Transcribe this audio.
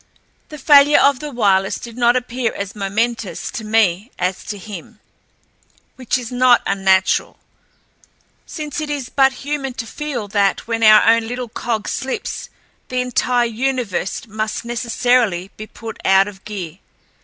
The failure of the wireless did not appear as momentous to me as to him, which is not unnatural, since it is but human to feel that when our own little cog slips, the entire universe must necessarily be put out of gear.